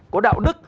có đạo đức